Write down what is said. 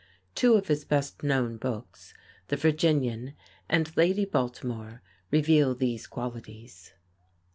Two of his best known books, "The Virginian" and "Lady Baltimore," reveal these qualities.